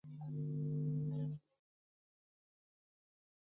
罗斯正式成为主权国家。